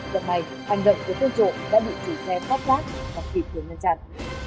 đợt này hành động của tên trộm đã bị chủ xe bắt lát và kịp thường ngăn chặn